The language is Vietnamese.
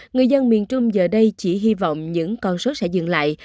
người dân miền trung giờ đây chỉ hy vọng những con số sẽ dừng lại